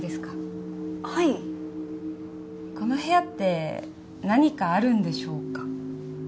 この部屋って何かあるんでしょうか？